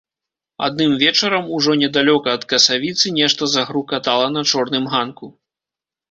Адным вечарам, ужо недалёка ад касавіцы, нешта загрукатала на чорным ганку.